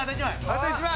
あと１枚。